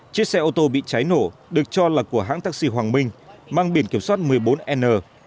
chiếc xe ô tô bị cháy nổ được cho là của hãng taxi hoàng minh mang biển kiểm soát một mươi bốn n bảy nghìn hai trăm tám mươi hai